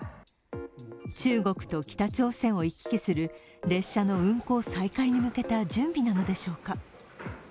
中国と北朝鮮を行き来する列車の運行再開に向けた準備なのでしょうか。